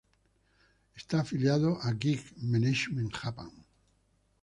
Está afiliado a Gig Management Japan.